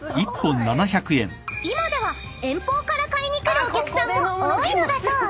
［今では遠方から買いに来るお客さんも多いのだそう］